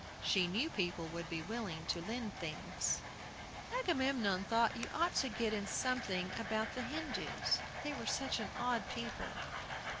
She knew people would be willing to lend things. Agamemnon thought you ought to get in something about the Hindoos, they were such an odd people.